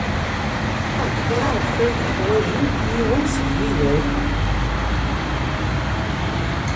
Maɣef ay teḥwajem yiwen seg widak?